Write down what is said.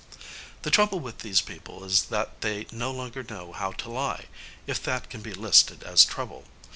The trouble with these people is that they no longer know how to lie, if that can be listed as trouble.